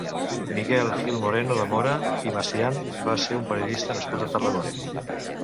Miguel Gil Moreno de Mora i Macián va ser un periodista nascut a Tarragona.